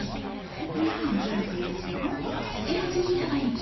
こんなふうになさるといいです。